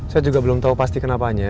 saya juga belum tahu pasti kenapanya